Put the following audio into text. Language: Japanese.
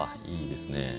いいですね。